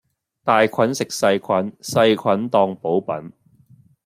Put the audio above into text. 大菌食細菌,細菌當補品